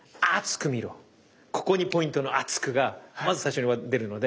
ここにポイントの「熱く」がまず最初に出るので。